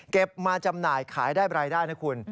มาจำหน่ายขายได้รายได้นะคุณ